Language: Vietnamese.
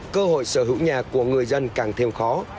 cơ hội sở hữu nhà của người dân càng thêm khó